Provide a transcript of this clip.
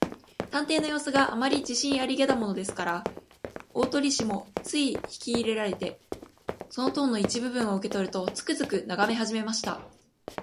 探偵のようすが、あまり自信ありげだものですから、大鳥氏もつい引きいれられて、その塔の一部分を受けとると、つくづくとながめはじめました。